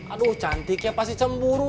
aduh cantik ya pasti cemburu